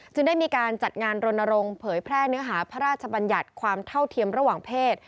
ได้มีการจัดงานรณรงค์เผยแพร่เนื้อหาพระราชบัญญัติความเท่าเทียมระหว่างเพศ